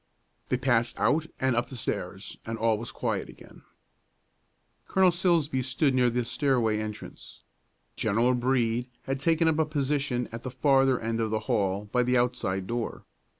They passed out and up the stairs, and all was again quiet. Colonel Silsbee stood near the stairway entrance. General Brede had taken up a position at the farther end of the hall by the outside door.